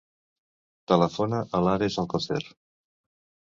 Telefona a l'Ares Alcocer.